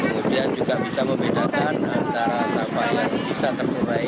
kemudian juga bisa membedakan antara sampah yang bisa terurai